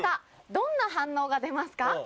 どんな反応が出ますか？」。